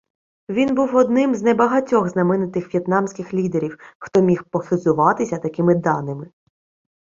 Він був одним з небагатьох знаменитих в'єтнамських лідерів, хто міг похизуватися такими даними.